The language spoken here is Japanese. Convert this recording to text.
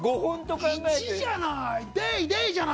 １じゃない。